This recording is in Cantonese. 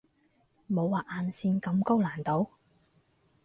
冇畫眼線咁高難度